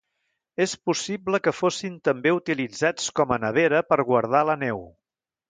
És possible que fossin també utilitzats com a nevera per guardar la neu.